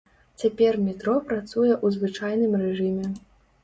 Цяпер метро працуе ў звычайным рэжыме.